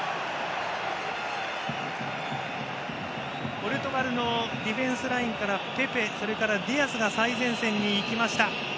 ポルトガルのディフェンスラインからペペ、それから、ディアスが最前線にいきました。